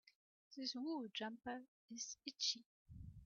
This wool jumper is itchy.